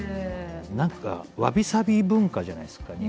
何かわびさび文化じゃないですか日本って。